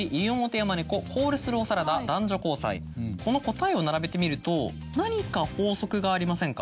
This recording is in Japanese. この答えを並べてみると何か法則がありませんか？